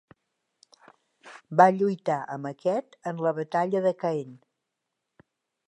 Va lluitar amb aquest en la Batalla de Caen.